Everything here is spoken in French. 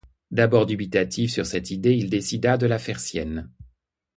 D'abord dubitatif sur cette idée, il décida de la faire sienne.